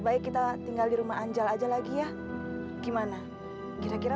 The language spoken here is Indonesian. akan aku kerjain sekolahnin anda